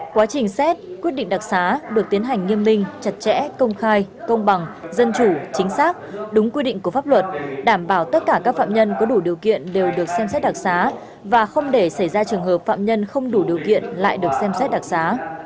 quá trình xét quyết định đặc xá được tiến hành nghiêm minh chặt chẽ công khai công bằng dân chủ chính xác đúng quy định của pháp luật đảm bảo tất cả các phạm nhân có đủ điều kiện đều được xem xét đặc xá và không để xảy ra trường hợp phạm nhân không đủ điều kiện lại được xem xét đặc xá